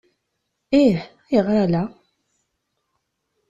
Ih, ayɣer ala?